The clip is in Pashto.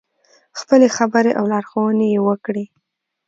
خپلې خبرې او لارښوونې یې وکړې.